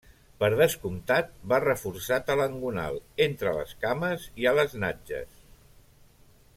Per descomptat, va reforçat a l'engonal, entre les cames i a les natges.